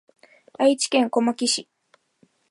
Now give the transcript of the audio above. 愛知県小牧市